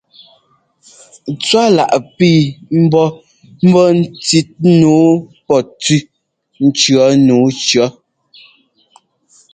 Tswálaʼ pii mbɔ́ ŋ́bɔ́ ŋ́cít nǔu pɔtʉ́ ŋ́cʉ̈ nǔu cʉ̈.